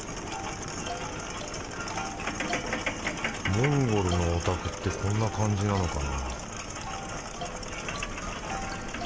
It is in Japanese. モンゴルのお宅ってこんな感じなのかな？